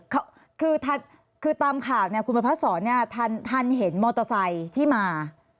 คือตามข่าวคุณประพัทย์สอนทันเห็นมอเตอร์ไซค์ที่มา